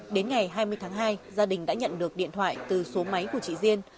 đến ngày hai mươi tháng hai gia đình đã nhận được điện thoại từ số máy của chị diên